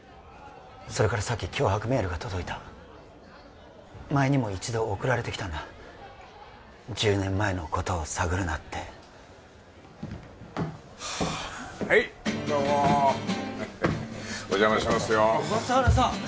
それからさっき脅迫メールが届いた前にも一度送られてきたんだ１０年前のことを探るなってはいどうもお邪魔しますよ小笠原さん